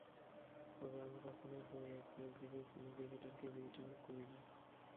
তবে আমি কখনোই দু-এক ম্যাচ দেখে কোনো ক্রিকেটারকে বিচার করি না।